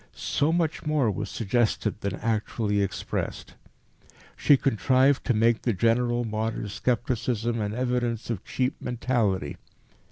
So much more was suggested than actually expressed. She contrived to make the general modern scepticism an evidence of cheap mentality.